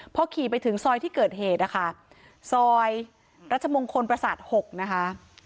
พอขี่ไปถึงซอยที่เกิดเหตุนะคะซอยรัชมงคลประสาท๖นะคะ